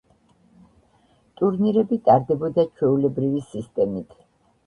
ტურნირები ტარდებოდა ჩვეულებრივი სისტემით.